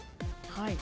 はい。